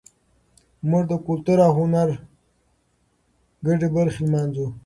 موږ د کلتور او هنر ګډې برخې لمانځو.